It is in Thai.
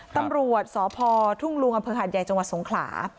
ตำรวจสพทุ่งลุงอหัดใหญ่จสงขลา